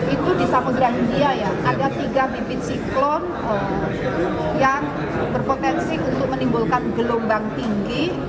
itu di samudera india ya ada tiga bibit siklon yang berpotensi untuk menimbulkan gelombang tinggi